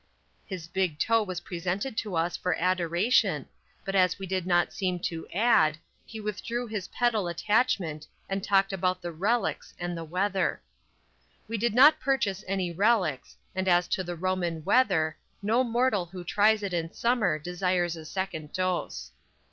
His big toe was presented to us for adoration, but as we did not seem to "ad," he withdrew his pedal attachment and talked about the "relics" and the "weather." We did not purchase any "relics," and as to the Roman "weather," no mortal who tries it in summer desires a second dose.